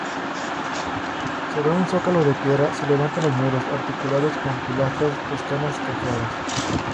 Sobre un zócalo de piedra se levantan los muros, articulados con pilastras toscanas cajeadas.